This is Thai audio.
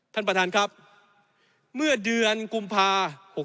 ท่านประธานครับเมื่อเดือนกุมภา๖๖